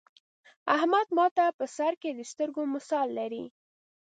احمد ماته په سر کې د سترگو مثال لري.